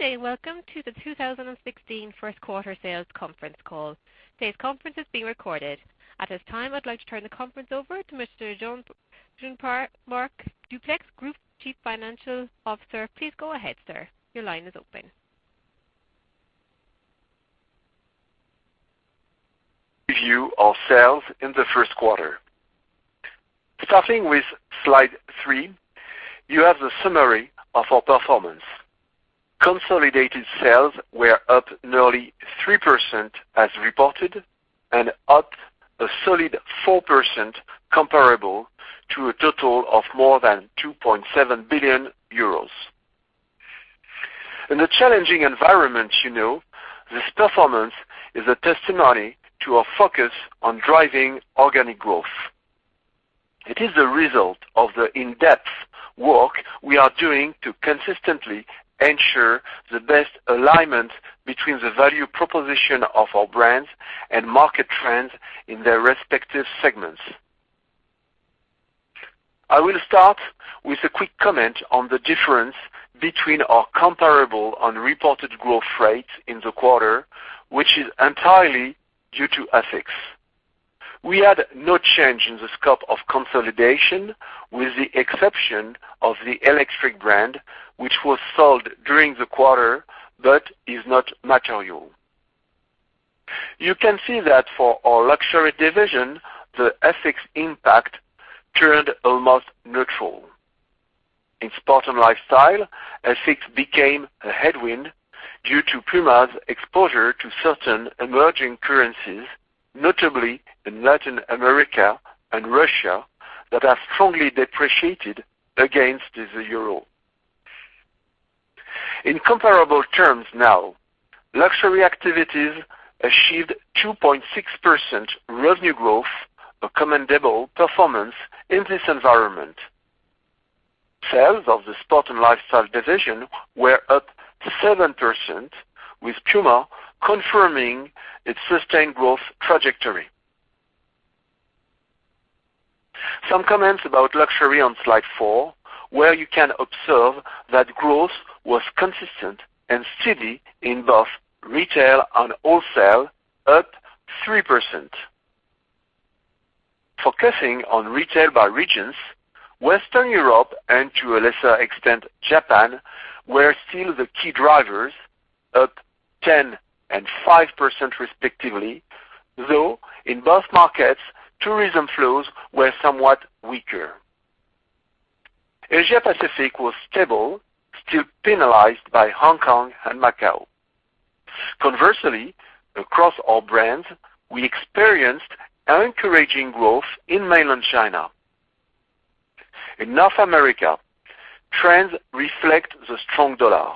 Welcome to the 2016 first quarter sales conference call. Today's conference is being recorded. At this time, I'd like to turn the conference over to Mr. Jean-Marc Duplaix, Group Chief Financial Officer. Please go ahead, sir. Your line is open. Review of sales in the first quarter. Starting with slide three, you have the summary of our performance. Consolidated sales were up nearly 3% as reported, up a solid 4% comparable to a total of more than 2.7 billion euros. In a challenging environment you know, this performance is a testimony to our focus on driving organic growth. It is a result of the in-depth work we are doing to consistently ensure the best alignment between the value proposition of our brands and market trends in their respective segments. I will start with a quick comment on the difference between our comparable and reported growth rates in the quarter, which is entirely due to FX. We had no change in the scope of consolidation, with the exception of the Electric brand, which was sold during the quarter but is not material. You can see that for our luxury division, the FX impact turned almost neutral. In sport and lifestyle, FX became a headwind due to Puma's exposure to certain emerging currencies, notably in Latin America and Russia, that have strongly depreciated against the euro. In comparable terms now, luxury activities achieved 2.6% revenue growth, a commendable performance in this environment. Sales of the sport and lifestyle division were up 7%, with Puma confirming its sustained growth trajectory. Some comments about luxury on Slide 4, where you can observe that growth was consistent and steady in both retail and wholesale, up 3%. Focusing on retail by regions, Western Europe and, to a lesser extent, Japan, were still the key drivers, up 10% and 5% respectively, though, in both markets, tourism flows were somewhat weaker. Asia Pacific was stable, still penalized by Hong Kong and Macau. Conversely, across all brands, we experienced encouraging growth in mainland China. In North America, trends reflect the strong U.S. dollar.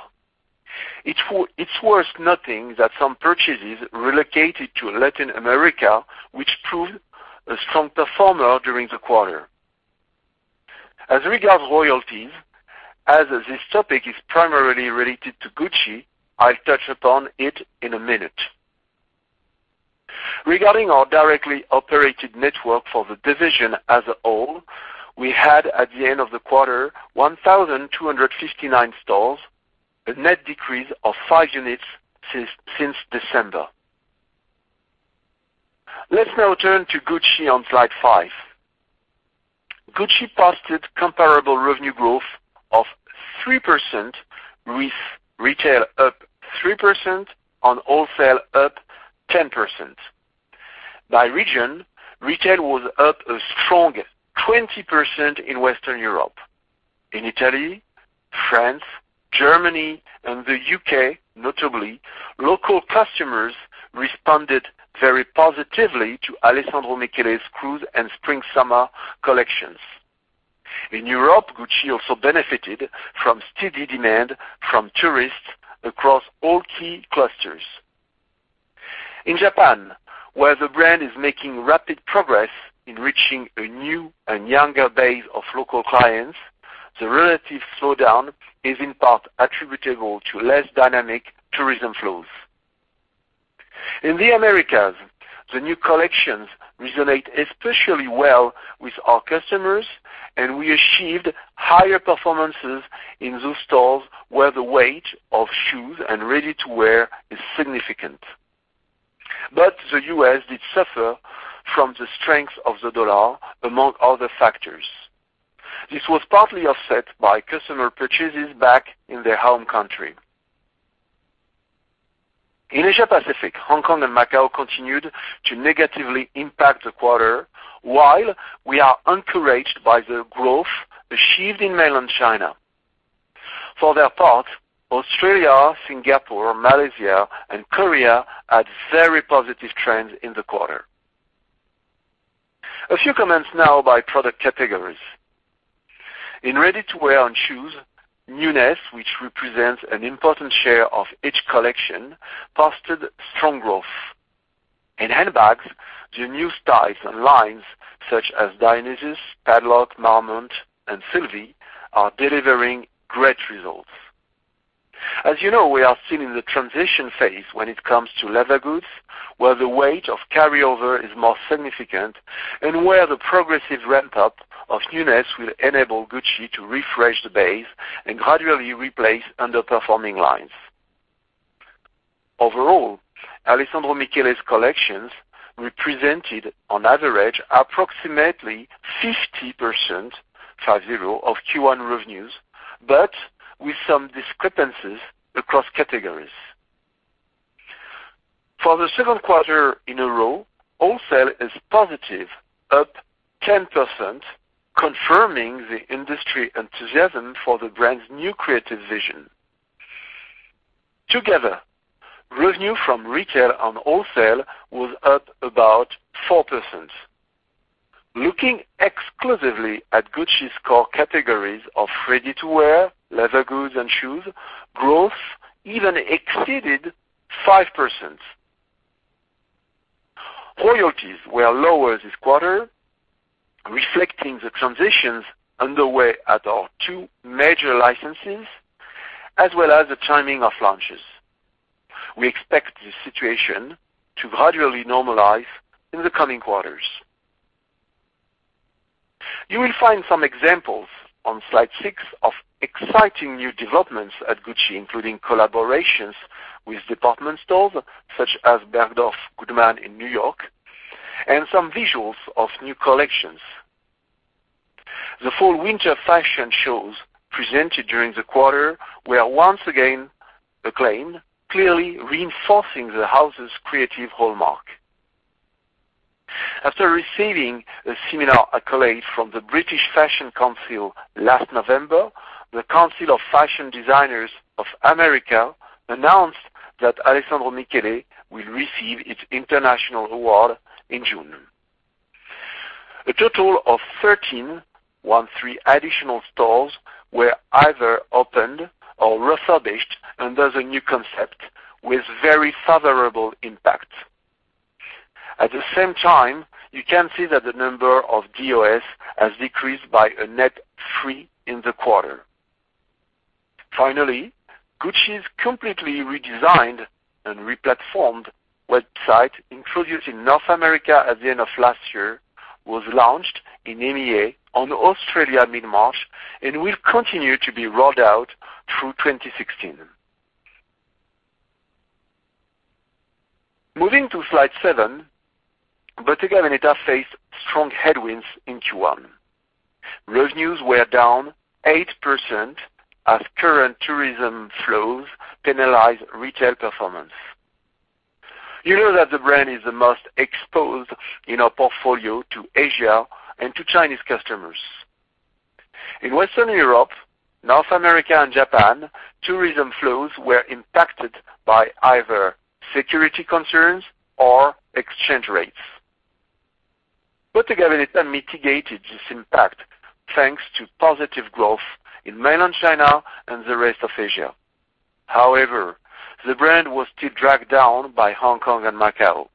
It's worth noting that some purchases relocated to Latin America, which proved a strong performer during the quarter. As regards royalties, as this topic is primarily related to Gucci, I'll touch upon it in a minute. Regarding our directly operated network for the division as a whole, we had, at the end of the quarter, 1,259 stores, a net decrease of five units since December. Let's now turn to Gucci on Slide 5. Gucci posted comparable revenue growth of 3%, with retail up 3% and wholesale up 10%. By region, retail was up a strong 20% in Western Europe. In Italy, France, Germany and the U.K., notably, local customers responded very positively to Alessandro Michele's Cruise and Spring/Summer collections. In Europe, Gucci also benefited from steady demand from tourists across all key clusters. In Japan, where the brand is making rapid progress in reaching a new and younger base of local clients, the relative slowdown is in part attributable to less dynamic tourism flows. In the Americas, the new collections resonate especially well with our customers, and we achieved higher performances in those stores where the weight of shoes and ready-to-wear is significant. The U.S. did suffer from the strength of the dollar, among other factors. This was partly offset by customer purchases back in their home country. In Asia Pacific, Hong Kong and Macau continued to negatively impact the quarter, while we are encouraged by the growth achieved in mainland China. For their part, Australia, Singapore, Malaysia and Korea had very positive trends in the quarter. A few comments now by product categories. In ready-to-wear and shoes, newness, which represents an important share of each collection, posted strong growth. In handbags, the new styles and lines such as Dionysus, Padlock, Marmont, and Sylvie are delivering great results. As you know, we are still in the transition phase when it comes to leather goods, where the weight of carryover is more significant and where the progressive ramp-up of newness will enable Gucci to refresh the base and gradually replace underperforming lines. Overall, Alessandro Michele's collections represented on average approximately 50% of Q1 revenues, with some discrepancies across categories. For the second quarter in a row, wholesale is positive, up 10%, confirming the industry enthusiasm for the brand's new creative vision. Together, revenue from retail and wholesale was up about 4%. Looking exclusively at Gucci's core categories of ready-to-wear, leather goods, and shoes, growth even exceeded 5%. Royalties were lower this quarter, reflecting the transitions underway at our two major licenses as well as the timing of launches. We expect this situation to gradually normalize in the coming quarters. You will find some examples on slide seven of exciting new developments at Gucci, including collaborations with department stores such as Bergdorf Goodman in New York and some visuals of new collections. The fall/winter fashion shows presented during the quarter were once again acclaimed, clearly reinforcing the house's creative hallmark. After receiving a similar accolade from the British Fashion Council last November, the Council of Fashion Designers of America announced that Alessandro Michele will receive its International Award in June. A total of 13 additional stores were either opened or refurbished under the new concept with very favorable impact. At the same time, you can see that the number of DOS has decreased by a net three in the quarter. Finally, Gucci's completely redesigned and re-platformed website, introduced in North America at the end of last year, was launched in EMEA and Australia mid-March and will continue to be rolled out through 2016. Moving to slide seven, Bottega Veneta faced strong headwinds in Q1. Revenues were down 8% as current tourism flows penalize retail performance. You know that the brand is the most exposed in our portfolio to Asia and to Chinese customers. In Western Europe, North America, and Japan, tourism flows were impacted by either security concerns or exchange rates. Bottega Veneta mitigated this impact thanks to positive growth in mainland China and the rest of Asia. The brand was still dragged down by Hong Kong and Macau.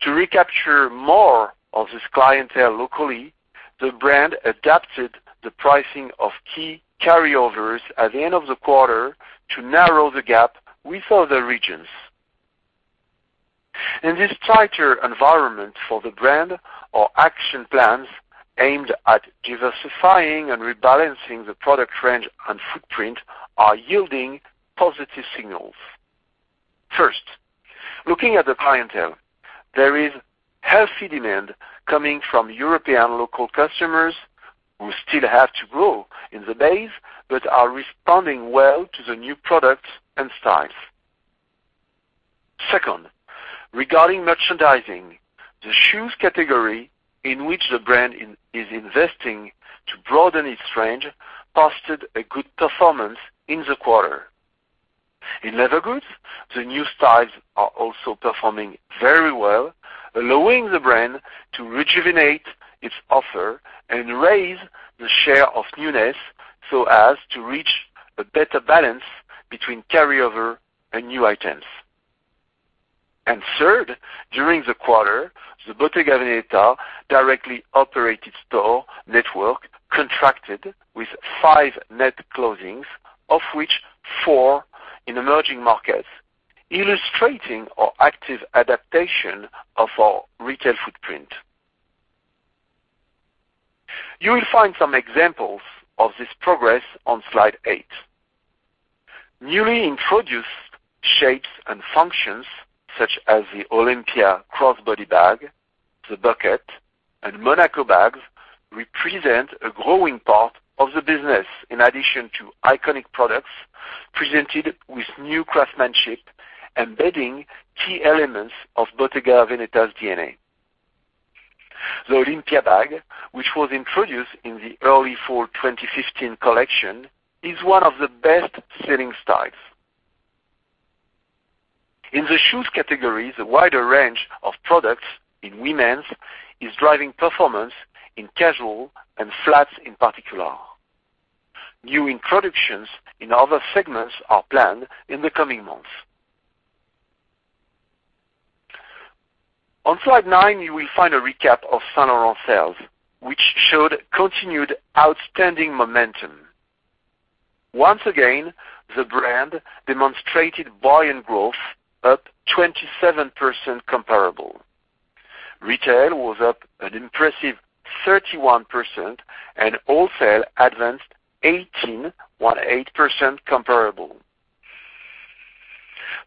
To recapture more of this clientele locally, the brand adapted the pricing of key carryovers at the end of the quarter to narrow the gap with other regions. In this tighter environment for the brand, our action plans aimed at diversifying and rebalancing the product range and footprint are yielding positive signals. Looking at the clientele, there is healthy demand coming from European local customers who still have to grow in the base but are responding well to the new products and styles. Regarding merchandising, the shoes category in which the brand is investing to broaden its range, posted a good performance in the quarter. In leather goods, the new styles are also performing very well, allowing the brand to rejuvenate its offer and raise the share of newness so as to reach a better balance between carryover and new items. Third, during the quarter, the Bottega Veneta directly operated store network contracted with five net closings, of which four in emerging markets, illustrating our active adaptation of our retail footprint. You will find some examples of this progress on slide eight. Newly introduced shapes and functions such as the Olimpia crossbody bag, the bucket, and Monaco bags represent a growing part of the business in addition to iconic products presented with new craftsmanship, embedding key elements of Bottega Veneta's DNA. The Olimpia bag, which was introduced in the early fall 2015 collection, is one of the best-selling styles. In the shoes category, the wider range of products in women's is driving performance in casual and flats in particular. New introductions in other segments are planned in the coming months. On slide nine, you will find a recap of Saint Laurent sales, which showed continued outstanding momentum. Once again, the brand demonstrated volume growth up 27% comparable. Retail was up an impressive 31%, and wholesale advanced 18%, 18%, comparable.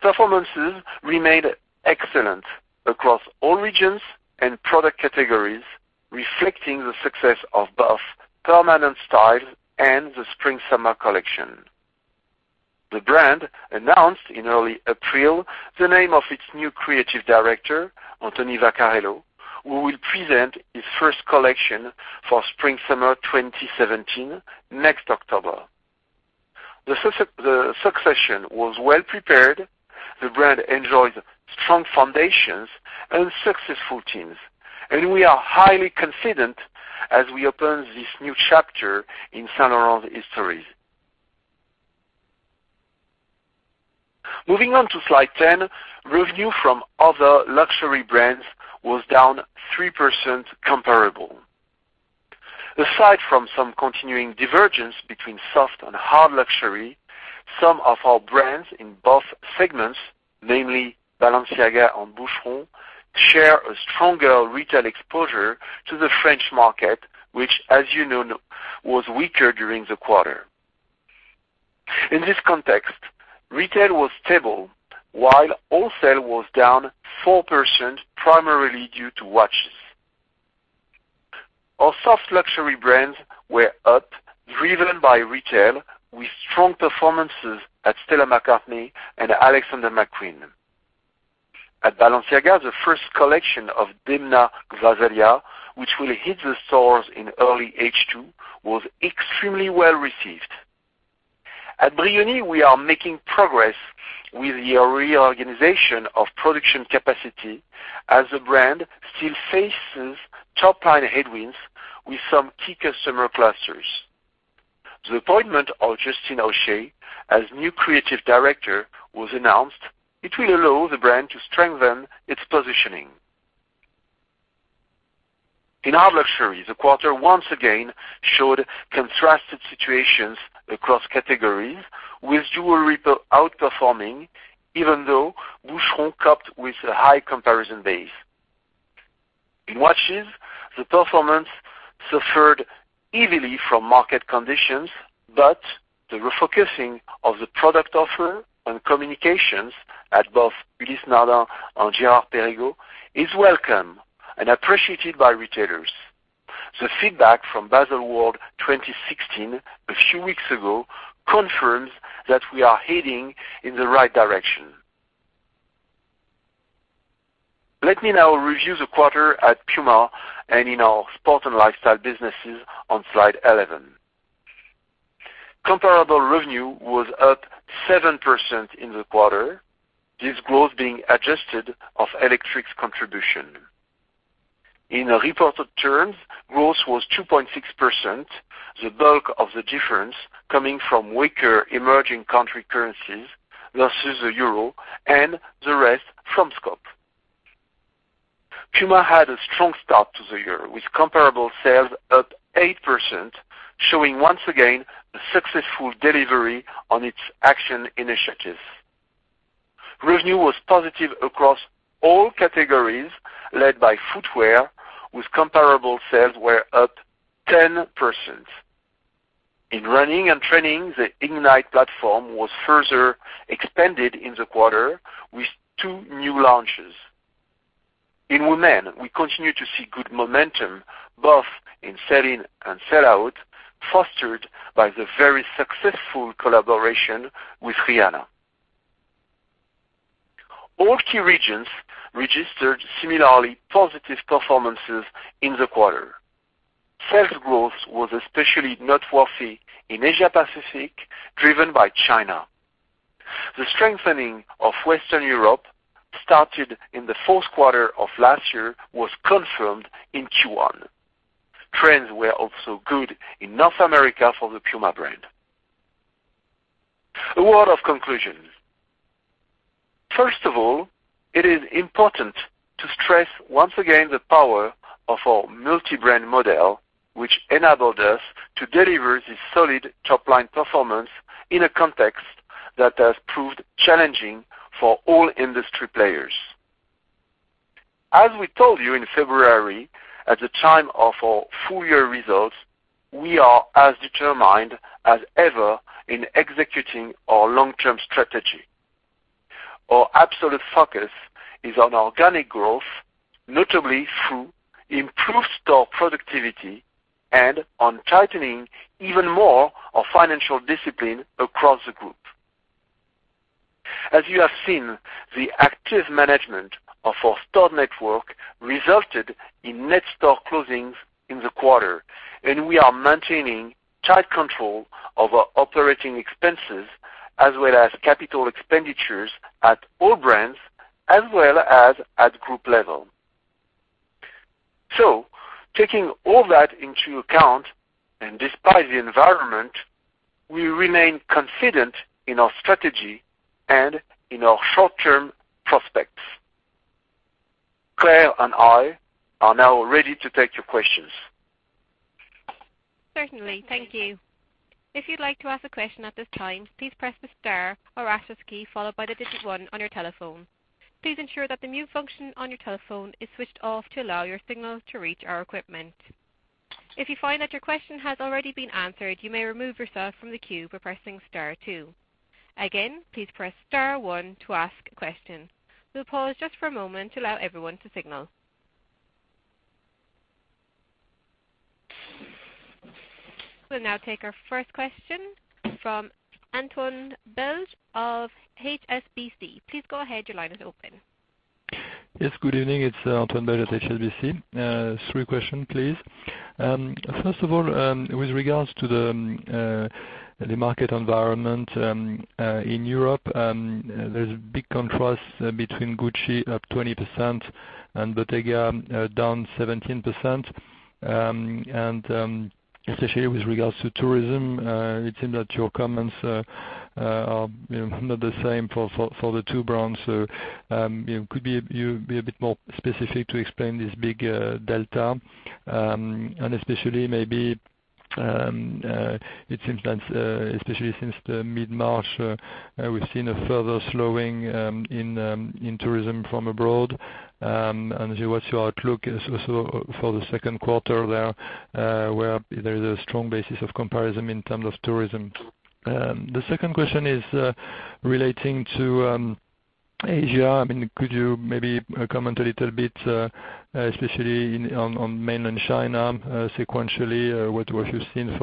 Performances remained excellent across all regions and product categories, reflecting the success of both permanent styles and the spring-summer collection. The brand announced in early April the name of its new creative director, Anthony Vaccarello, who will present his first collection for spring-summer 2017 next October. The succession was well prepared. The brand enjoys strong foundations and successful teams, and we are highly confident as we open this new chapter in Saint Laurent's history. Moving on to slide 10, revenue from other luxury brands was down 3% comparable. Aside from some continuing divergence between soft and hard luxury, some of our brands in both segments, namely Balenciaga and Boucheron, share a stronger retail exposure to the French market, which, as you know, was weaker during the quarter. In this context, retail was stable while wholesale was down 4%, primarily due to watches. Our soft luxury brands were up, driven by retail with strong performances at Stella McCartney and Alexander McQueen. At Balenciaga, the first collection of Demna Gvasalia, which will hit the stores in early H2, was extremely well-received. At Brioni, we are making progress with the reorganization of production capacity as the brand still faces top-line headwinds with some key customer clusters. The appointment of Justin O'Shea as new creative director was announced. It will allow the brand to strengthen its positioning. In hard luxury, the quarter once again showed contrasted situations across categories with jewelry outperforming even though Boucheron coped with a high comparison base. In watches, the performance suffered heavily from market conditions, but the refocusing of the product offer and communications at both Ulysse Nardin and Girard-Perregaux is welcome and appreciated by retailers. The feedback from Baselworld 2016 a few weeks ago confirms that we are heading in the right direction. Let me now review the quarter at Puma and in our sport and lifestyle businesses on slide 11. Comparable revenue was up 7% in the quarter. This growth being adjusted of Electric's contribution. In reported terms, growth was 2.6%, the bulk of the difference coming from weaker emerging country currencies versus the EUR and the rest from scope. Puma had a strong start to the year with comparable sales up 8%, showing once again a successful delivery on its action initiatives. Revenue was positive across all categories led by footwear with comparable sales were up 10%. In running and training, the Ignite platform was further expanded in the quarter with two new launches. In women, we continue to see good momentum, both in sell-in and sell-out, fostered by the very successful collaboration with Rihanna. All key regions registered similarly positive performances in the quarter. Sales growth was especially noteworthy in Asia-Pacific, driven by China. The strengthening of Western Europe started in the fourth quarter of last year was confirmed in Q1. Trends were also good in North America for the Puma brand. A word of conclusion. First of all, it is important to stress once again the power of our multi-brand model, which enabled us to deliver this solid top-line performance in a context that has proved challenging for all industry players. As we told you in February at the time of our full-year results, we are as determined as ever in executing our long-term strategy. Our absolute focus is on organic growth, notably through improved store productivity and on tightening even more our financial discipline across the group. As you have seen, the active management of our store network resulted in net store closings in the quarter, and we are maintaining tight control of our operating expenses as well as capital expenditures at all brands as well as at group level. Taking all that into account, and despite the environment, we remain confident in our strategy and in our short-term prospects. Claire and I are now ready to take your questions. Certainly. Thank you. If you'd like to ask a question at this time, please press the star or asterisk key, followed by the digit 1 on your telephone. Please ensure that the mute function on your telephone is switched off to allow your signal to reach our equipment. If you find that your question has already been answered, you may remove yourself from the queue by pressing star two. Again, please press star one to ask a question. We'll pause just for a moment to allow everyone to signal. We'll now take our first question from Antoine Belge of HSBC. Please go ahead. Your line is open. Yes, good evening. It's Antoine Belge at HSBC. Three questions, please. First of all, with regards to the market environment in Europe, there's a big contrast between Gucci, up 20%, and Bottega, down 17%. Especially with regards to tourism, it seems that your comments are not the same for the two brands. Could you be a bit more specific to explain this big delta? Especially maybe, it seems that especially since mid-March, we've seen a further slowing in tourism from abroad. What's your outlook also for the second quarter there, where there is a strong basis of comparison in terms of tourism? The second question is relating to Asia. Could you maybe comment a little bit, especially on Mainland China, sequentially, what you've seen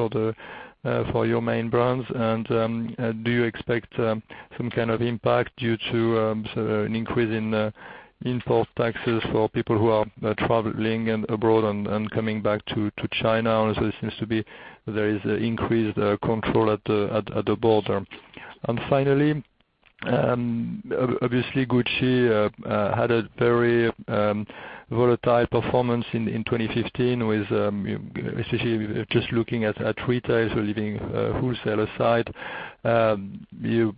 for your main brands? Do you expect some kind of impact due to an increase in import taxes for people who are traveling abroad and coming back to China, as it seems there is increased control at the border. Finally, obviously Gucci had a very volatile performance in 2015 with, especially just looking at retail. Leaving wholesale aside, you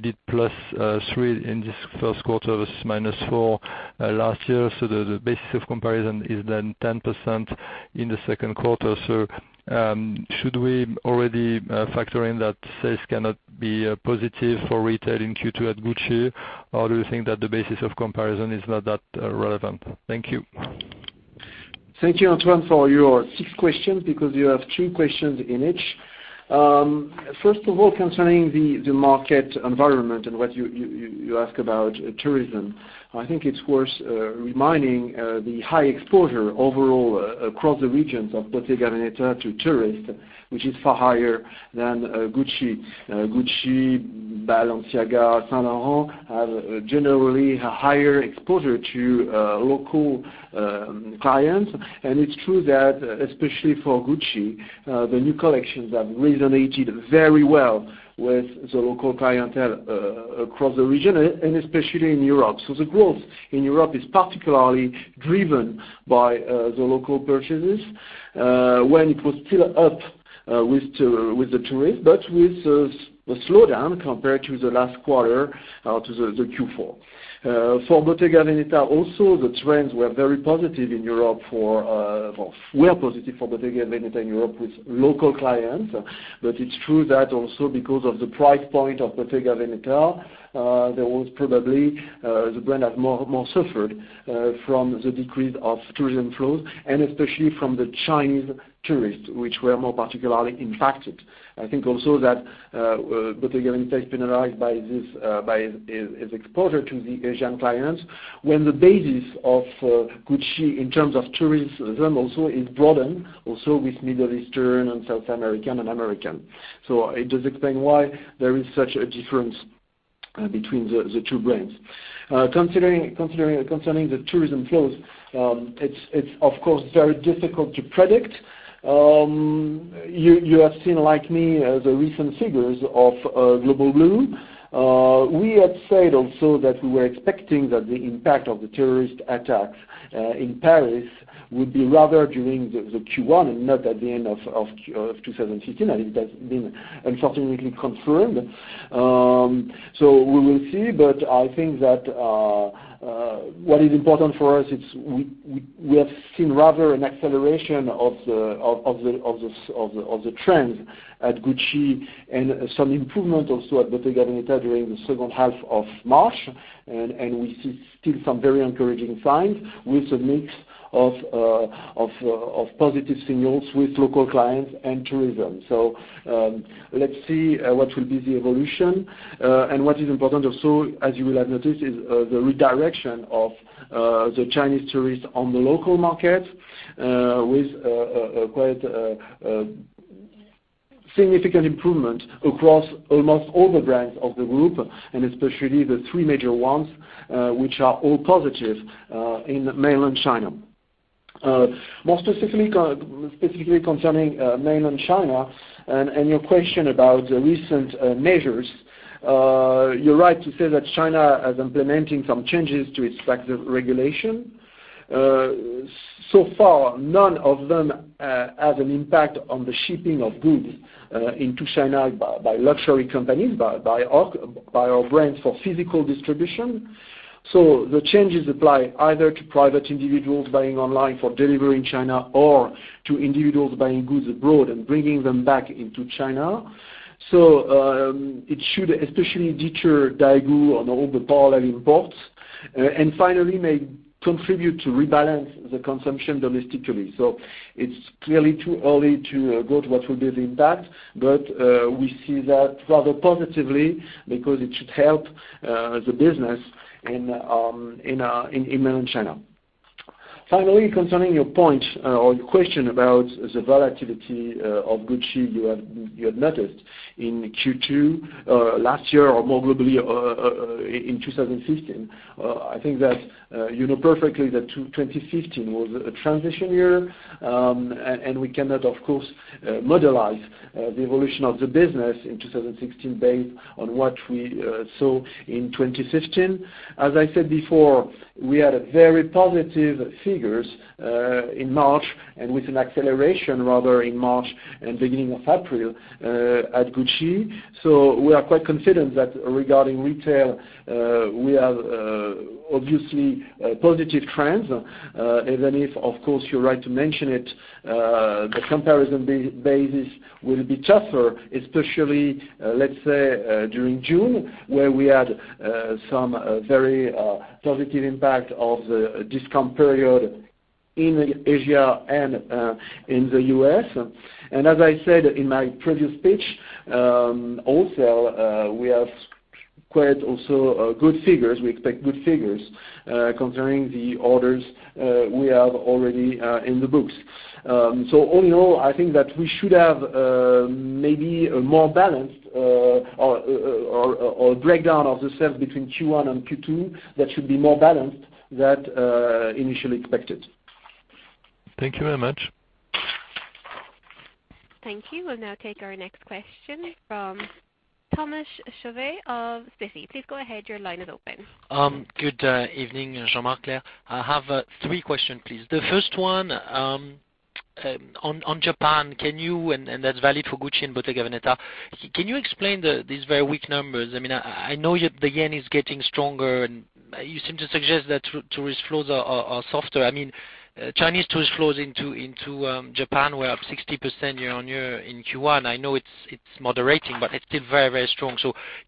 did +3% in this first quarter versus -4% last year. The basis of comparison is 10% in the second quarter. Should we already factor in that sales cannot be positive for retail in Q2 at Gucci? Do you think that the basis of comparison is not that relevant? Thank you. Thank you, Antoine, for your six questions because you have two questions in each. First of all, concerning the market environment and what you ask about tourism, I think it's worth reminding the high exposure overall across the regions of Bottega Veneta to tourists, which is far higher than Gucci. Gucci, Balenciaga, Saint Laurent, have generally a higher exposure to local clients. It's true that especially for Gucci, the new collections have resonated very well with the local clientele across the region and especially in Europe. The growth in Europe is particularly driven by the local purchases, when it was still up with the tourist, but with a slowdown compared to the last quarter, to Q4. For Bottega Veneta, the trends were very positive in Europe with local clients. It's true that because of the price point of Bottega Veneta, probably, the brand has more suffered from the decrease of tourism flows and especially from the Chinese tourists, which were more particularly impacted. I think also that Bottega Veneta is penalized by its exposure to the Asian clients. The basis of Gucci in terms of tourism is broadened, with Middle Eastern and South American and American. It does explain why there is such a difference between the two brands. Concerning the tourism flows, it's of course very difficult to predict. You have seen, like me, the recent figures of Global Blue. We had said that we were expecting that the impact of the tourist attacks in Paris would be rather during Q1 and not at the end of 2015. I think that's been unfortunately confirmed. We will see, but I think that what is important for us, we have seen rather an acceleration of the trends at Gucci and some improvement also at Bottega Veneta during the second half of March. We see still some very encouraging signs with a mix of positive signals with local clients and tourism. Let's see what will be the evolution. What is important also, as you will have noticed, is the redirection of the Chinese tourists on the local market, with quite a significant improvement across almost all the brands of the group, and especially the three major ones, which are all positive in Mainland China. More specifically concerning Mainland China and your question about the recent measures, you're right to say that China is implementing some changes to its regulation. Far, none of them have an impact on the shipping of goods into China by luxury companies, by our brands for physical distribution. The changes apply either to private individuals buying online for delivery in China or to individuals buying goods abroad and bringing them back into China. It should especially deter Daigou and all the parallel imports, and finally may contribute to rebalance the consumption domestically. It's clearly too early to go to what will be the impact. We see that rather positively because it should help the business in Mainland China. Finally, concerning your point or your question about the volatility of Gucci you had noticed in Q2 last year or more globally in 2015, I think that you know perfectly that 2015 was a transition year. We cannot, of course, modelize the evolution of the business in 2016 based on what we saw in 2015. As I said before, we had very positive figures in March and with an acceleration rather in March and beginning of April at Gucci. We are quite confident that regarding retail, we have obviously positive trends. Even if, of course, you're right to mention it, the comparison basis will be tougher, especially, let's say, during June, where we had some very positive impact of the discount period in Asia and in the U.S. As I said in my previous pitch, also we have quite also good figures. We expect good figures concerning the orders we have already in the books. All in all, I think that we should have maybe a more balanced or breakdown of the sales between Q1 and Q2 that should be more balanced than initially expected. Thank you very much. Thank you. We'll now take our next question from Thomas Chauvet of Citi. Please go ahead. Your line is open. Good evening, Jean-Marc, Claire. I have three questions, please. The first one on Japan, and that's valid for Gucci and Bottega Veneta, can you explain these very weak numbers? I know the JPY is getting stronger, and you seem to suggest that tourist flows are softer. Chinese tourist flows into Japan were up 60% year-on-year in Q1. I know it's moderating, but it's still very strong.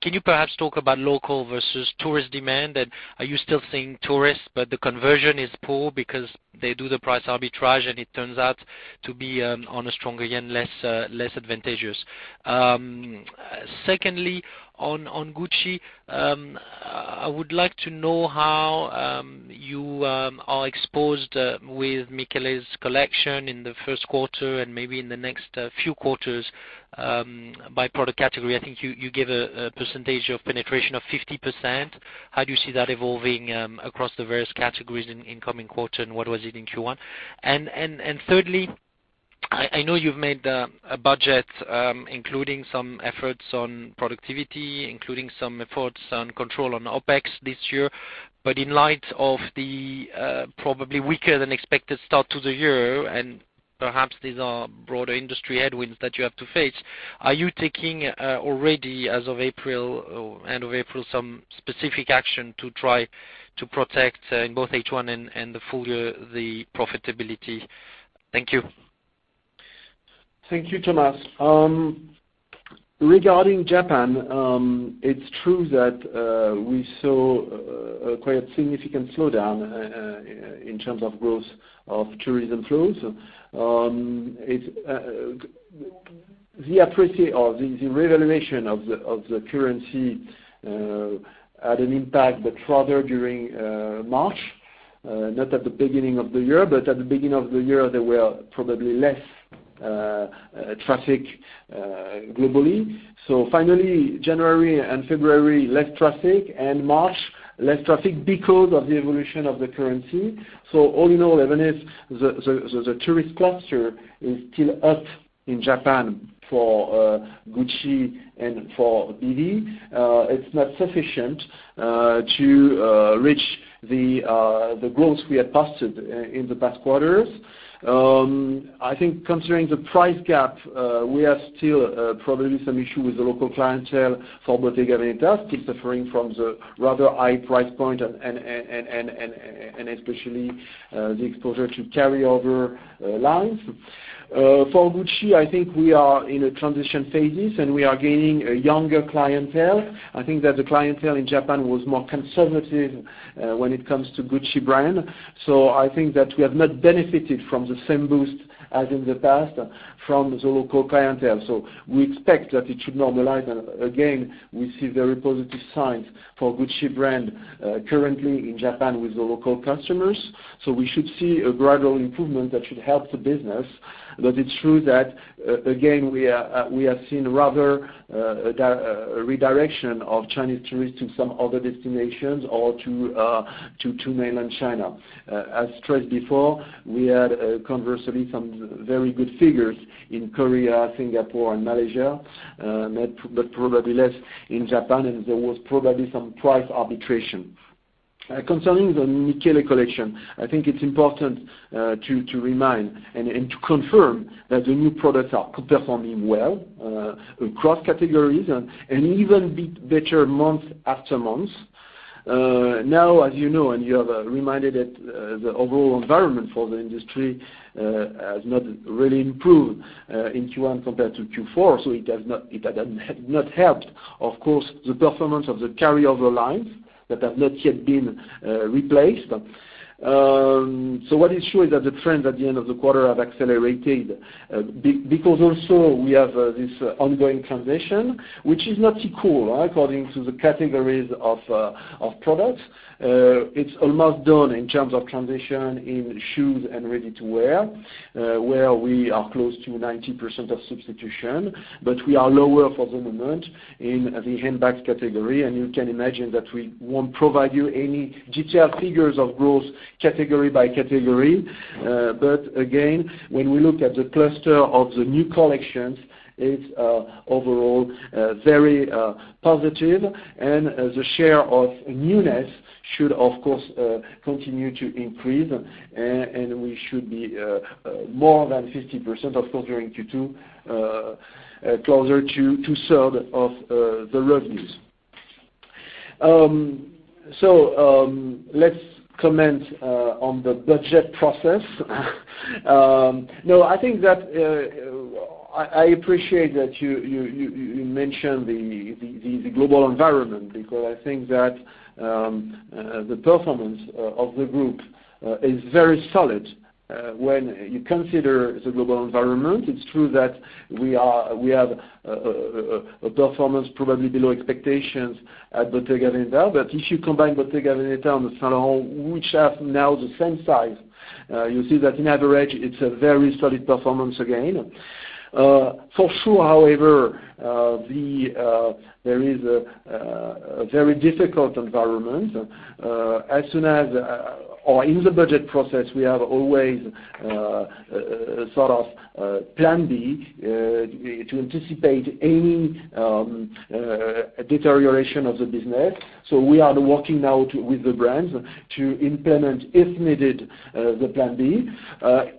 Can you perhaps talk about local versus tourist demand? Are you still seeing tourists, but the conversion is poor because they do the price arbitrage, and it turns out to be on a stronger JPY, less advantageous. Secondly, on Gucci, I would like to know how you are exposed with Michele's collection in the first quarter and maybe in the next few quarters by product category. I think you give a percentage of penetration of 50%. How do you see that evolving across the various categories in coming quarters, and what was it in Q1? Thirdly, I know you've made a budget including some efforts on productivity, including some efforts on control on OpEx this year. In light of the probably weaker than expected start to the year, and perhaps these are broader industry headwinds that you have to face, are you taking already, as of end of April, some specific action to try to protect in both H1 and the full year the profitability? Thank you. Thank you, Thomas. Regarding Japan, it is true that we saw a quite significant slowdown in terms of growth of tourism flows. The appreciation or the revaluation of the currency had an impact, but rather during March, not at the beginning of the year. At the beginning of the year, there were probably less traffic globally. Finally, January and February, less traffic, March, less traffic because of the evolution of the currency. All in all, even if the tourist cluster is still up in Japan for Gucci and for BV, it is not sufficient to reach the growth we had posted in the past quarters. I think considering the price gap, we have still probably some issue with the local clientele for Bottega Veneta, still suffering from the rather high price point and especially the exposure to carryover lines. For Gucci, I think we are in a transition phase. We are gaining a younger clientele. I think that the clientele in Japan was more conservative when it comes to Gucci brand. I think that we have not benefited from the same boost as in the past from the local clientele. We expect that it should normalize. Again, we see very positive signs for Gucci brand currently in Japan with the local customers. We should see a gradual improvement that should help the business. It is true that, again, we have seen rather a redirection of Chinese tourists to some other destinations or to Mainland China. As stressed before, we had conversely some very good figures in Korea, Singapore, and Malaysia, but probably less in Japan, and there was probably some price arbitration. Concerning the Michele collection, I think it is important to remind and to confirm that the new products are performing well across categories. Even better month after month. As you know, you are reminded that the overall environment for the industry has not really improved in Q1 compared to Q4. It has not helped, of course, the performance of the carryover lines that have not yet been replaced. What is sure is that the trends at the end of the quarter have accelerated, because also we have this ongoing transition, which is not equal according to the categories of products. It is almost done in terms of transition in shoes and ready-to-wear, where we are close to 90% of substitution, but we are lower for the moment in the handbag category. You can imagine that we won't provide you any detailed figures of growth category by category. Again, when we look at the cluster of the new collections, it is overall very positive. The share of newness should, of course, continue to increase. We should be more than 50%, of course, during Q2, closer to two-third of the revenues. Let's comment on the budget process. I appreciate that you mentioned the global environment, because I think that the performance of the group is very solid when you consider the global environment. It is true that we have a performance probably below expectations at Bottega Veneta. If you combine Bottega Veneta and Saint Laurent, which have now the same size, you see that on average, it is a very solid performance again. For sure, however, there is a very difficult environment. In the budget process, we have always a sort of plan B to anticipate any deterioration of the business. We are working now with the brands to implement, if needed, the plan B.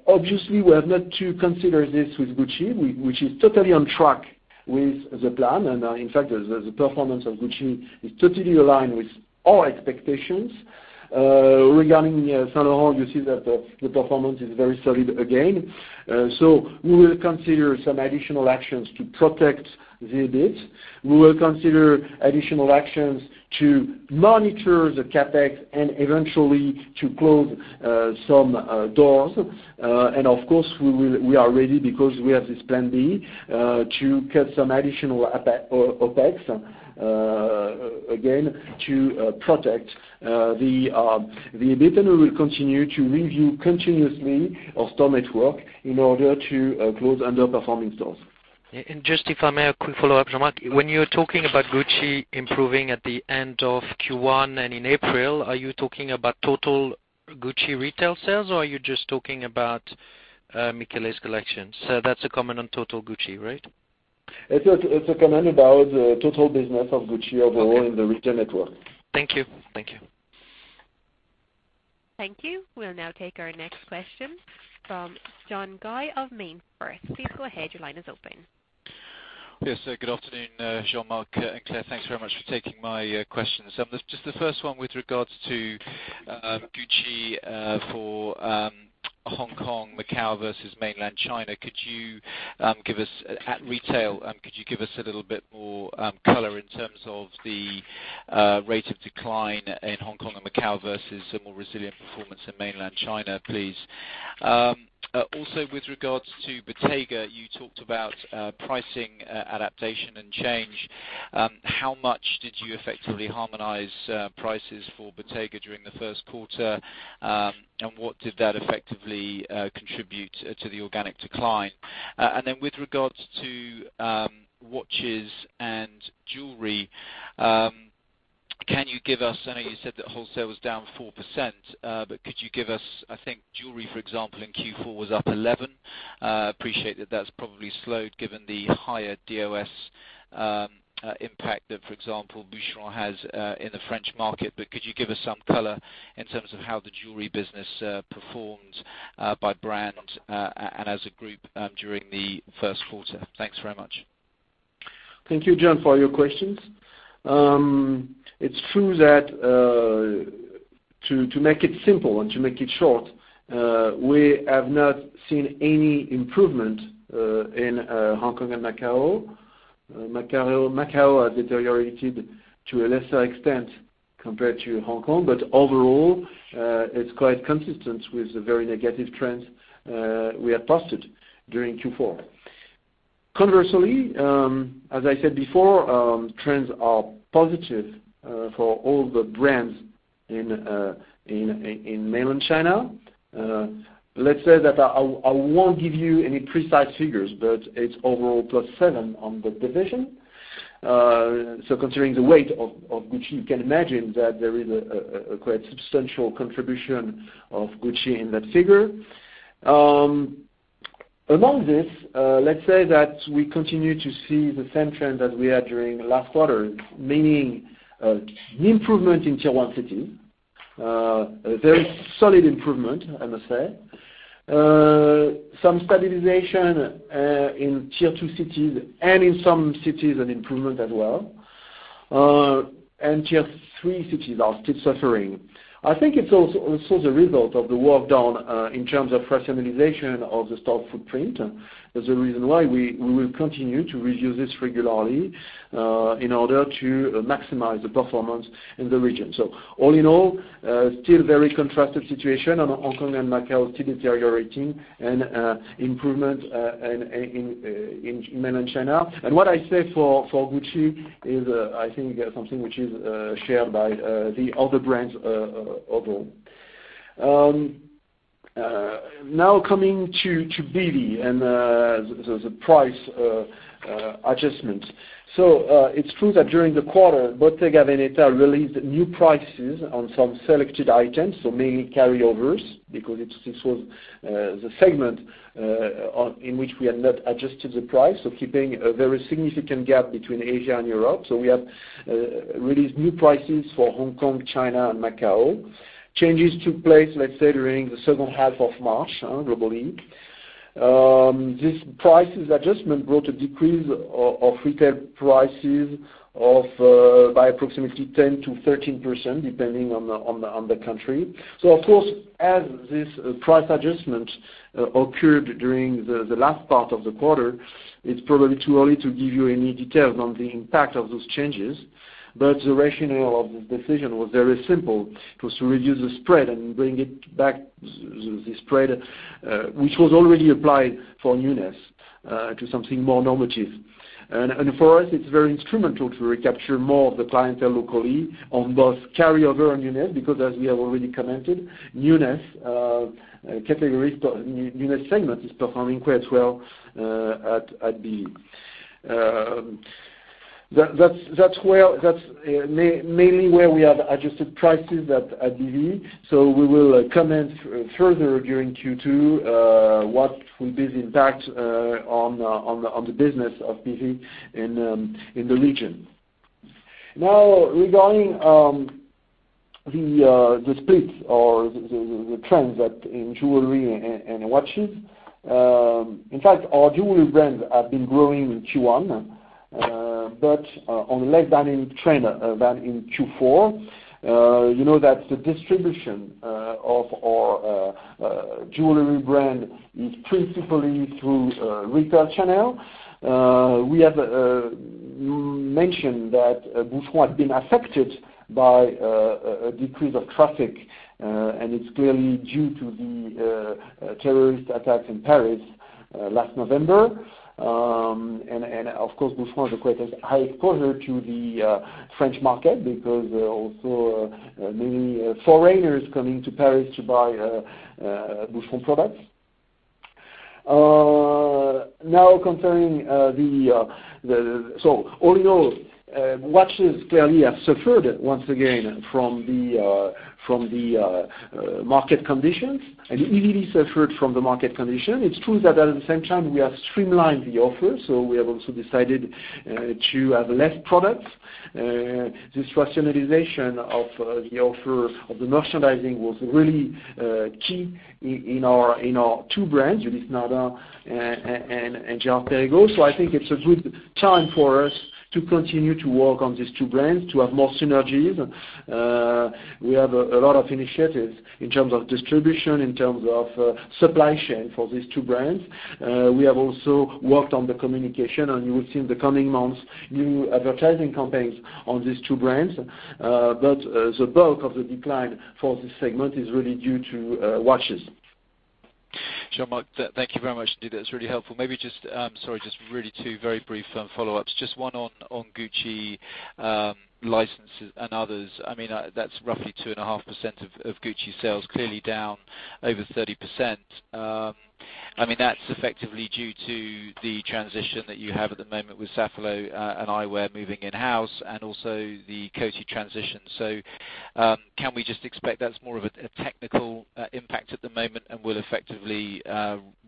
Obviously, we have not to consider this with Gucci, which is totally on track with the plan. In fact, the performance of Gucci is totally aligned with our expectations. Regarding Saint Laurent, you see that the performance is very solid again. We will consider some additional actions to protect the EBIT. We will consider additional actions to monitor the CapEx and eventually to close some doors. Of course, we are ready because we have this plan B to cut some additional OpEx, again, to protect the EBIT. We will continue to review continuously our store network in order to close underperforming stores. Just if I may, a quick follow-up, Jean-Marc Duplaix. When you're talking about Gucci improving at the end of Q1 and in April, are you talking about total Gucci retail sales, or are you just talking about Michele's collection? That's a comment on total Gucci, right? It's a comment about the total business of Gucci overall in the retail network. Thank you. Thank you. We'll now take our next question from John Guy of Mainfirst. Please go ahead. Your line is open. Yes, good afternoon, Jean-Marc and Claire. Thanks very much for taking my questions. Just the first one with regards to Gucci for Hong Kong, Macau versus mainland China. At retail, could you give us a little bit more color in terms of the rate of decline in Hong Kong and Macau versus a more resilient performance in mainland China, please? Also, with regards to Bottega, you talked about pricing adaptation and change. How much did you effectively harmonize prices for Bottega during the first quarter? What did that effectively contribute to the organic decline? With regards to watches and jewelry, I know you said that wholesale was down 4%, but could you give us, I think jewelry, for example, in Q4 was up 11%. Appreciate that that's probably slowed given the higher DOS impact that, for example, Boucheron has in the French market. Could you give us some color in terms of how the jewelry business performs by brand and as a group during the first quarter? Thanks very much. Thank you, John, for your questions. It's true that to make it simple and to make it short, we have not seen any improvement in Hong Kong and Macau. Macau has deteriorated to a lesser extent compared to Hong Kong, but overall, it's quite consistent with the very negative trends we had posted during Q4. Conversely, as I said before, trends are positive for all the brands in mainland China. Let's say that I won't give you any precise figures, but it's overall +7% on that division. Considering the weight of Gucci, you can imagine that there is a quite substantial contribution of Gucci in that figure. Among this, let's say that we continue to see the same trend as we had during last quarter, meaning an improvement in Tier 1 cities. A very solid improvement, I must say. Some stabilization in Tier 2 cities, in some cities, an improvement as well. Tier 3 cities are still suffering. I think it's also the result of the work done in terms of rationalization of the store footprint. That's the reason why we will continue to review this regularly in order to maximize the performance in the region. All in all, still very contrasted situation. Hong Kong and Macau still deteriorating, improvement in mainland China. What I say for Gucci is, I think, something which is shared by the other brands overall. Coming to BV and the price adjustments. It's true that during the quarter, Bottega Veneta released new prices on some selected items. Mainly carryovers, because this was the segment in which we had not adjusted the price. Keeping a very significant gap between Asia and Europe. We have released new prices for Hong Kong, China, and Macau. Changes took place, let's say, during the second half of March, globally. This prices adjustment brought a decrease of retail prices by approximately 10%-13%, depending on the country. Of course, as this price adjustment occurred during the last part of the quarter, it's probably too early to give you any details on the impact of those changes. The rationale of this decision was very simple. It was to reduce the spread and bring it back, the spread, which was already applied for newness to something more normative. For us, it's very instrumental to recapture more of the clientele locally on both carryover and newness, because as we have already commented, newness segment is performing quite well at BV. That's mainly where we have adjusted prices at BV. We will comment further during Q2 what will be the impact on the business of BV in the region. Regarding the split or the trends in jewelry and watches. Our jewelry brands have been growing in Q1, but on less than in Q4. You know that the distribution of our jewelry brand is principally through retail channel. We have mentioned that Boucheron has been affected by a decrease of traffic, and it's clearly due to the terrorist attacks in Paris last November. Of course, Boucheron has the highest exposure to the French market because also many foreigners coming to Paris to buy Boucheron products. All in all, watches clearly have suffered once again from the market conditions, easily suffered from the market condition. It's true that at the same time, we have streamlined the offer. We have also decided to have less products. This rationalization of the offer of the merchandising was really key in our two brands, Ulysse Nardin and Gianfranco Ferré. I think it's a good time for us to continue to work on these two brands to have more synergies. We have a lot of initiatives in terms of distribution, in terms of supply chain for these two brands. We have also worked on the communication, and you will see in the coming months, new advertising campaigns on these two brands. The bulk of the decline for this segment is really due to watches. Jean-Marc, thank you very much indeed. That's really helpful. Maybe just, sorry, just really two very brief follow-ups. Just one on Gucci licenses and others. That's roughly 2.5% of Gucci sales, clearly down over 30%. That's effectively due to the transition that you have at the moment with Safilo and eyewear moving in-house and also the Coty transition. Can we just expect that's more of a technical impact at the moment and will effectively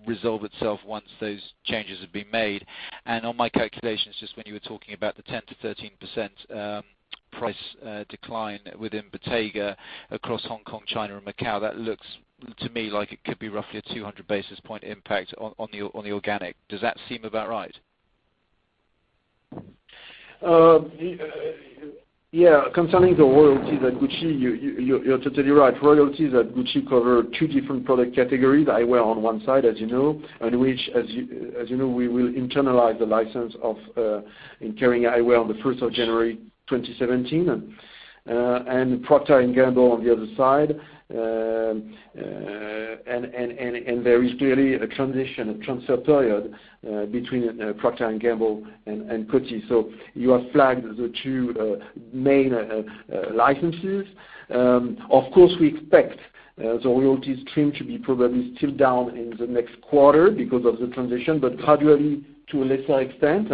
resolve itself once those changes have been made? On my calculations, just when you were talking about the 10%-13% price decline within Bottega across Hong Kong, China, and Macau, that looks to me like it could be roughly a 200 basis point impact on the organic. Does that seem about right? Yeah. Concerning the royalties at Gucci, you're totally right. Royalties at Gucci cover two different product categories. Eyewear on one side, as you know, and which, as you know, we will internalize the license of Kering Eyewear on the 1st of January 2017. Procter & Gamble on the other side. There is clearly a transition, a transfer period between Procter & Gamble and Coty. You have flagged the two main licenses. Of course, we expect the royalties trend to be probably still down in the next quarter because of the transition, but gradually to a lesser extent.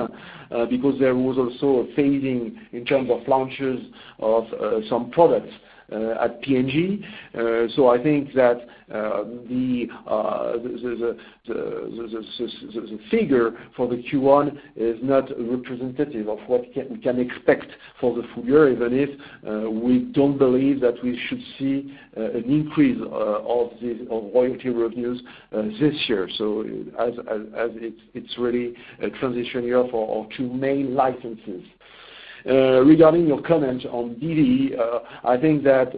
Because there was also a phasing in terms of launches of some products at P&G. I think that the figure for the Q1 is not representative of what we can expect for the full year, even if we don't believe that we should see an increase of royalty revenues this year. As it's really a transition year for our two main licenses. Regarding your comments on BV, I think that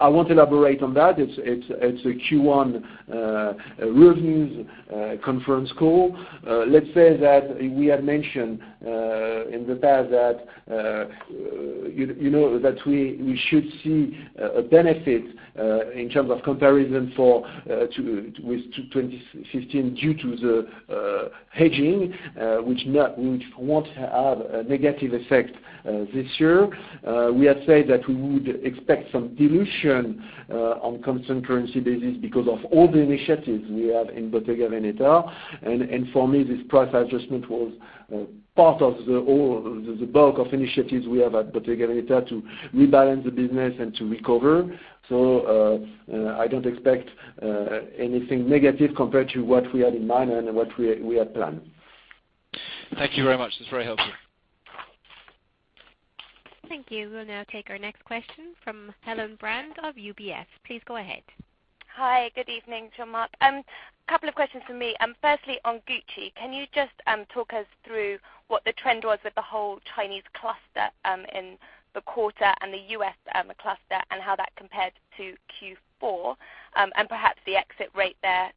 I won't elaborate on that. It's a Q1 revenues conference call. Let's say that we had mentioned in the past that we should see a benefit in terms of comparison with 2015 due to the hedging which won't have a negative effect this year. We had said that we would expect some dilution on constant currency basis because of all the initiatives we have in Bottega Veneta. For me, this price adjustment was part of the bulk of initiatives we have at Bottega Veneta to rebalance the business and to recover. I don't expect anything negative compared to what we had in mind and what we had planned. Thank you very much. That's very helpful. Thank you. We'll now take our next question from Helen Brand of UBS. Please go ahead. Hi, good evening, Jean-Marc. A couple of questions from me. Firstly, on Gucci, can you just talk us through what the trend was with the whole Chinese cluster in the quarter and the U.S. cluster, and how that compared to Q4, and perhaps the exit rate there,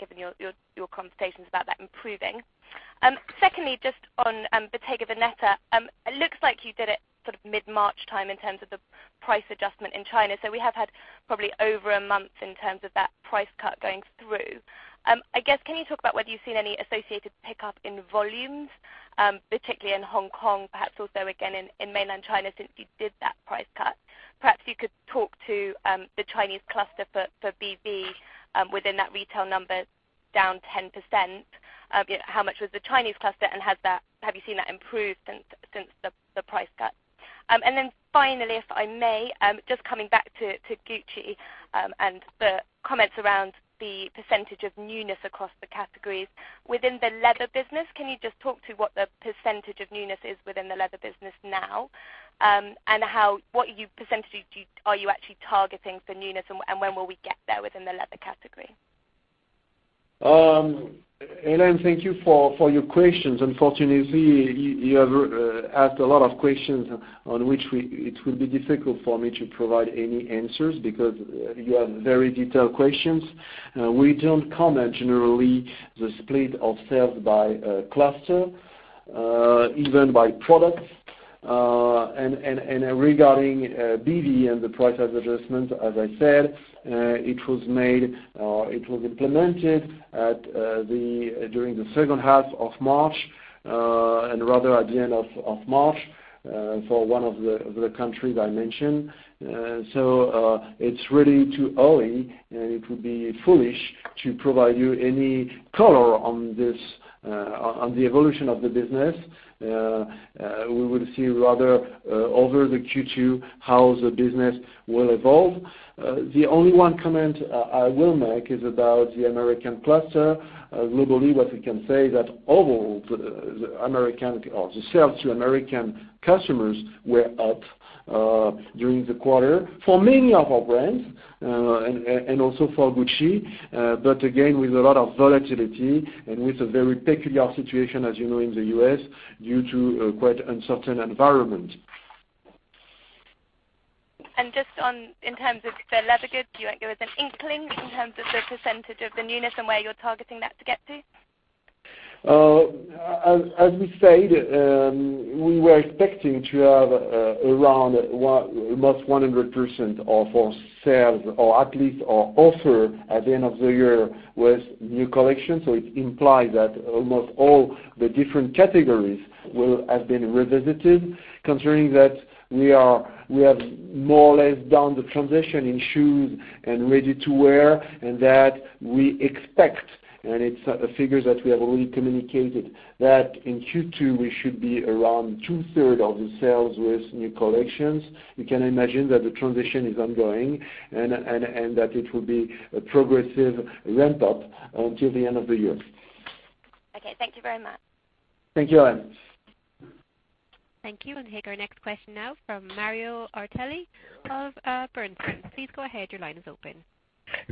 given your conversations about that improving. Secondly, just on Bottega Veneta, it looks like you did it mid-March time in terms of the price adjustment in China. We have had probably over a month in terms of that price cut going through. Can you talk about whether you've seen any associated pickup in volumes, particularly in Hong Kong, perhaps also again in mainland China since you did that price cut? Perhaps you could talk to the Chinese cluster for BV within that retail number down 10%. How much was the Chinese cluster, and have you seen that improve since the price cut? Then finally, if I may, just coming back to Gucci, and the comments around the % of newness across the categories. Within the leather business, can you just talk to what the % of newness is within the leather business now? What % are you actually targeting for newness, and when will we get there within the leather category? Helen, thank you for your questions. Unfortunately, you have asked a lot of questions on which it will be difficult for me to provide any answers because you have very detailed questions. We don't comment generally the split of sales by cluster, even by products. Regarding BV and the price adjustment, as I said, it was implemented during the second half of March, rather at the end of March, for one of the countries I mentioned. It's really too early, and it would be foolish to provide you any color on the evolution of the business. We will see rather over the Q2 how the business will evolve. The only one comment I will make is about the American cluster. Globally, what we can say is that overall, the sales to American customers were up during the quarter for many of our brands, and also for Gucci. Again, with a lot of volatility and with a very peculiar situation, as you know, in the U.S. due to quite uncertain environment. Just in terms of the leather goods, do you think there was an inkling in terms of the % of the newness and where you're targeting that to get to? As we said, we were expecting to have around almost 100% of our sales or at least our offer at the end of the year with new collection. It implies that almost all the different categories will have been revisited concerning that we have more or less done the transition in shoes and ready-to-wear and that we expect, and it's figures that we have already communicated, that in Q2 we should be around two-third of the sales with new collections. You can imagine that the transition is ongoing and that it will be a progressive ramp-up until the end of the year. Okay. Thank you very much. Thank you, Helen. Thank you. We'll take our next question now from Mario Ortelli of Bernstein. Please go ahead, your line is open.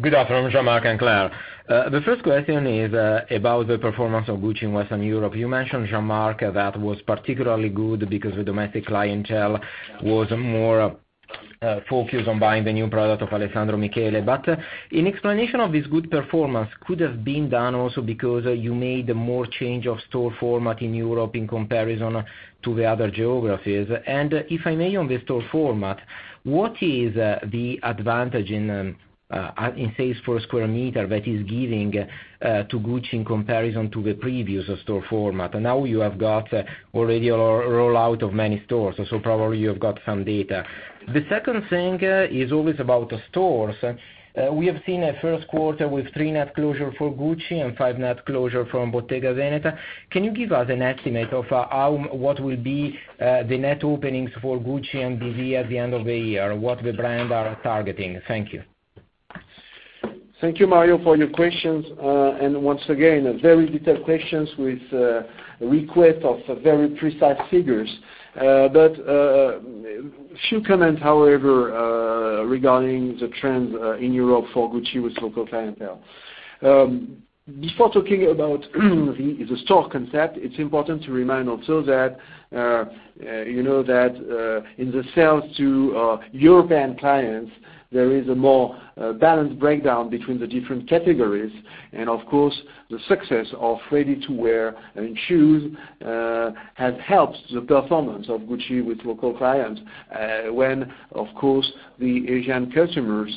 Good afternoon, Jean-Marc and Claire. The first question is about the performance of Gucci in Western Europe. You mentioned, Jean-Marc, that was particularly good because the domestic clientele was more focused on buying the new product of Alessandro Michele. An explanation of this good performance could have been done also because you made more change of store format in Europe in comparison to the other geographies. If I may, on the store format, what is the advantage in sales per square meter that is giving to Gucci in comparison to the previous store format? Now you have got already a rollout of many stores, so probably you have got some data. The second thing is always about stores. We have seen a first quarter with three net closure for Gucci and five net closure from Bottega Veneta. Can you give us an estimate of what will be the net openings for Gucci and BV at the end of the year? What the brand are targeting? Thank you. Thank you, Mario, for your questions. Once again, very detailed questions with request of very precise figures. A few comments, however, regarding the trends in Europe for Gucci with local clientele. Before talking about the store concept, it's important to remind also that in the sales to European clients, there is a more balanced breakdown between the different categories. Of course, the success of ready-to-wear and shoes has helped the performance of Gucci with local clients when, of course, the Asian customers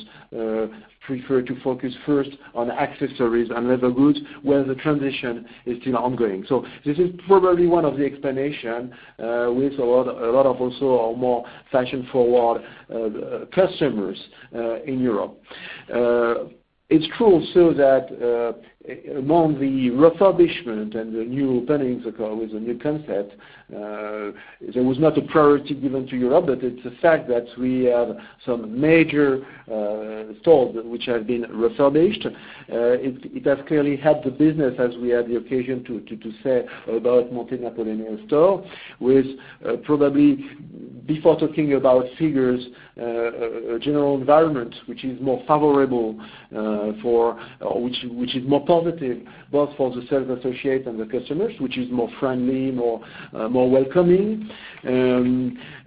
prefer to focus first on accessories and leather goods, where the transition is still ongoing. This is probably one of the explanation with a lot of also more fashion-forward customers in Europe. It's true, so that among the refurbishment and the new openings with the new concept, there was not a priority given to Europe. It's a fact that we have some major stores which have been refurbished. It has clearly helped the business as we had the occasion to say about Monte Napoleone store, with probably before talking about figures, general environment, which is more positive, both for the sales associates and the customers, which is more friendly, more welcoming.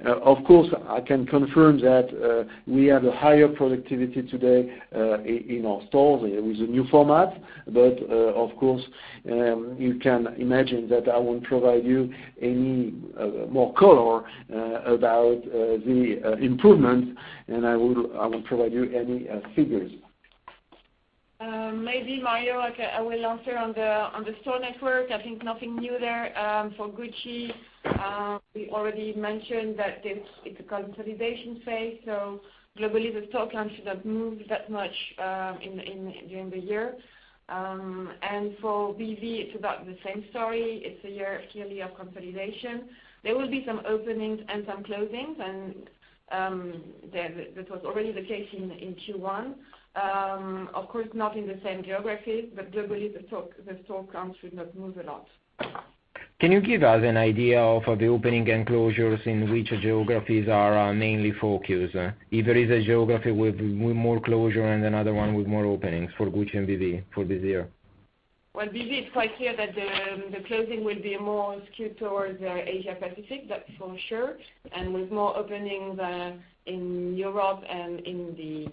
Of course, I can confirm that we have a higher productivity today in our stores with the new format. Of course, you can imagine that I won't provide you any more color about the improvements, and I won't provide you any figures. Maybe Mario, I will answer on the store network. I think nothing new there. For Gucci, we already mentioned that it's a consolidation phase, globally the store count should not move that much during the year. For BV, it's about the same story. It's a year clearly of consolidation. There will be some openings and some closings, and that was already the case in Q1. Of course, not in the same geographies, but globally, the store count should not move a lot. Can you give us an idea of the opening and closures in which geographies are mainly focused? If there is a geography with more closure and another one with more openings, for Gucci and BV for this year. Well, BV, it's quite clear that the closing will be more skewed towards Asia-Pacific, that's for sure, and with more openings in Europe and in the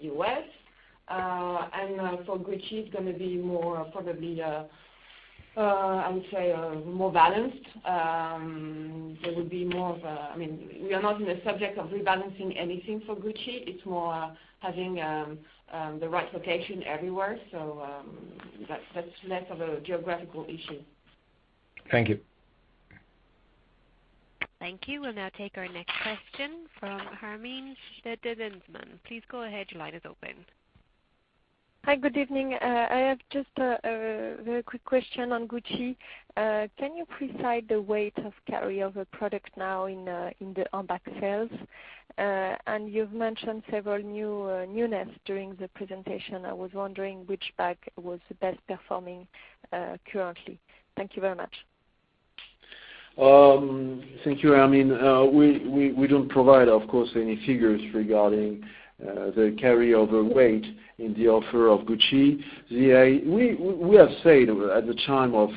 U.S. For Gucci, it's going to be more probably, I would say, more balanced. We are not in a subject of rebalancing anything for Gucci. It's more having the right location everywhere. That's less of a geographical issue. Thank you. Thank you. We'll now take our next question from Hermine de Bentzmann. Please go ahead. Your line is open. Hi. Good evening. I have just a very quick question on Gucci. Can you precise the weight of carry-over product now in the handbag sales? You've mentioned several newness during the presentation. I was wondering which bag was the best performing currently. Thank you very much. Thank you, Hermine. We don't provide, of course, any figures regarding the carry-over weight in the offer of Gucci. We have said at the time of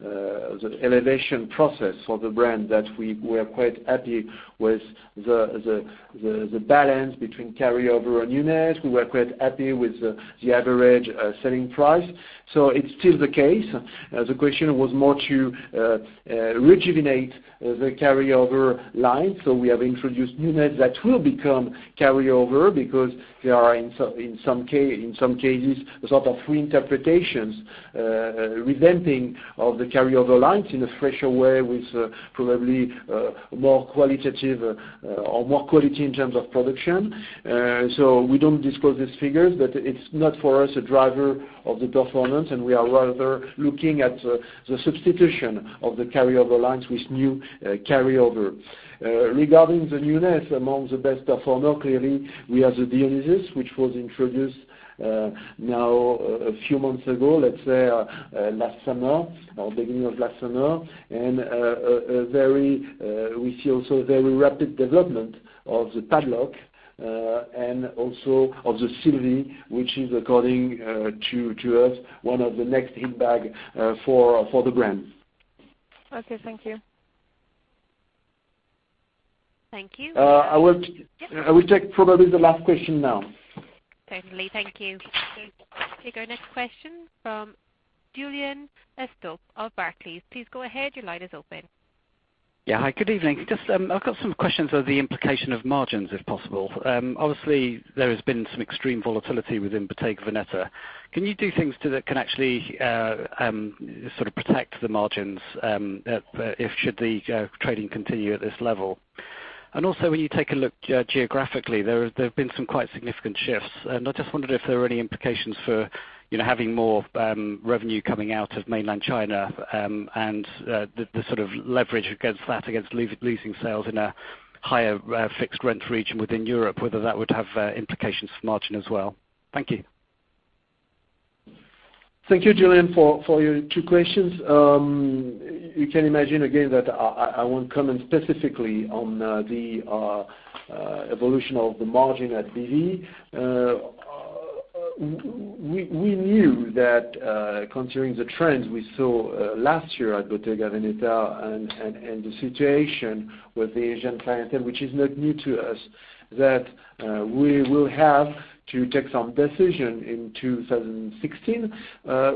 the elevation process for the brand that we are quite happy with the balance between carry-over and newness. We were quite happy with the average selling price. It's still the case. The question was more to rejuvenate the carry-over line. We have introduced newness that will become carry-over because there are, in some cases, a sort of reinterpretation, reinventing of the carry-over lines in a fresher way with probably more quality in terms of production. We don't disclose these figures, but it's not for us a driver of the performance, and we are rather looking at the substitution of the carry-over lines with new carry-over. Regarding the newness among the best performer, clearly, we have the Dionysus, which was introduced now a few months ago, let's say last summer or beginning of last summer. We see also very rapid development of the Padlock and also of the Sylvie, which is according to us, one of the next it bag for the brand. Okay. Thank you. Thank you. I will take probably the last question now. Certainly. Thank you. We take our next question from Julien Estager of Barclays. Please go ahead. Your line is open. Yeah. Hi, good evening. Just I've got some questions on the implication of margins, if possible. Obviously, there has been some extreme volatility within Bottega Veneta. Can you do things that can actually sort of protect the margins if should the trading continue at this level? Also, when you take a look geographically, there have been some quite significant shifts. I just wondered if there are any implications for having more revenue coming out of mainland China and the sort of leverage against that, against losing sales in a higher fixed rent region within Europe, whether that would have implications for margin as well. Thank you. Thank you, Julien, for your two questions. You can imagine, again, that I won't comment specifically on the evolution of the margin at BV. We knew that considering the trends we saw last year at Bottega Veneta, and the situation with the Asian clientele, which is not new to us, that we will have to take some decision in 2016,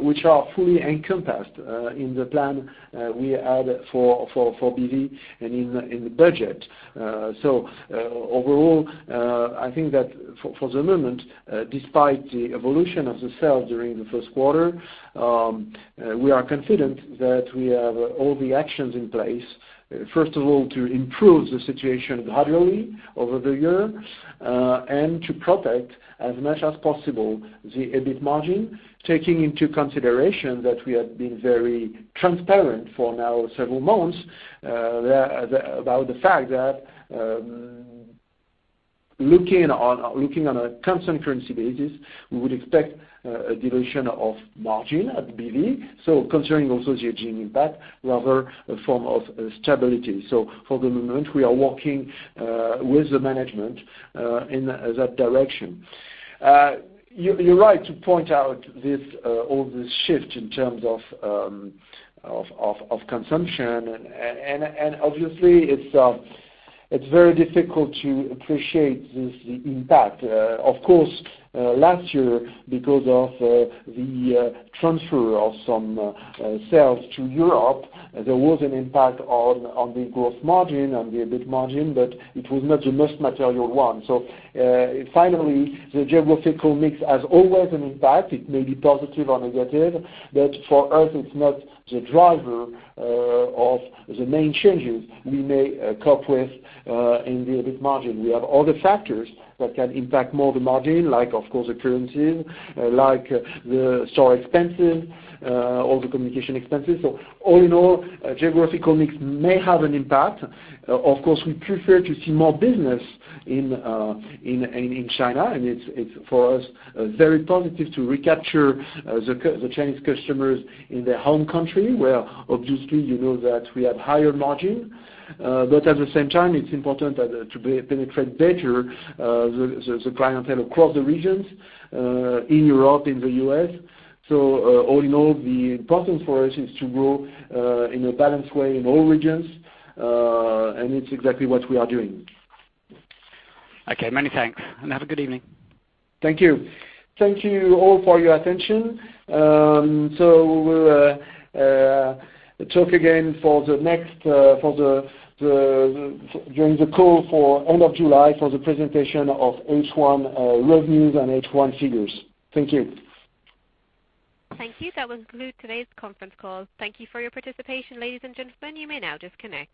which are fully encompassed in the plan we had for BV and in the budget. Overall, I think that for the moment, despite the evolution of the sales during the first quarter, we are confident that we have all the actions in place. First of all, to improve the situation gradually over the year, to protect as much as possible the EBIT margin, taking into consideration that we have been very transparent for now several months, about the fact that looking on a constant currency basis, we would expect a dilution of margin at BV. Concerning also the G&A impact, rather a form of stability. For the moment, we are working with the management in that direction. You're right to point out all this shift in terms of consumption, obviously it's very difficult to appreciate this impact. Of course, last year, because of the transfer of some sales to Europe, there was an impact on the gross margin, on the EBIT margin, but it was not the most material one. Finally, the geographical mix has always an impact. It may be positive or negative, for us, it's not the driver of the main changes we may cope with in the EBIT margin. We have other factors that can impact more the margin, like of course the currencies, like the store expenses, all the communication expenses. All in all, geographical mix may have an impact. Of course, we prefer to see more business in China, it's for us, very positive to recapture the Chinese customers in their home country, where obviously you know that we have higher margin. At the same time, it's important to penetrate better the clientele across the regions, in Europe, in the U.S. All in all, the importance for us is to grow in a balanced way in all regions, it's exactly what we are doing. Okay. Many thanks, have a good evening. Thank you. Thank you all for your attention. We will talk again during the call for end of July for the presentation of H1 revenues and H1 figures. Thank you. Thank you. That will conclude today's conference call. Thank you for your participation, ladies and gentlemen. You may now disconnect.